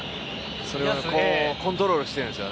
それをコントロールしてるんですよ。